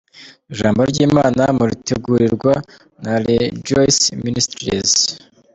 Ijambo ry’Imana muritegurirwa na Rejoice Ministries .